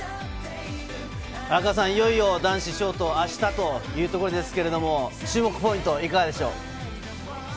荒川さん、いよいよ男子ショート、明日というところですけど、注目ポイント、いかがでしょう？